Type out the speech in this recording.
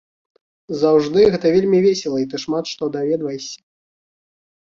Заўжды гэта вельмі весела, і ты шмат што даведваешся.